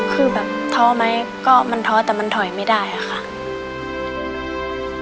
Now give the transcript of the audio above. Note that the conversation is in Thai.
คือแบบท้อไหมก็มันท้อแต่มันถอยไม่ได้ค่ะ